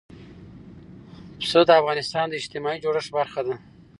پسه د افغانستان د اجتماعي جوړښت برخه ده.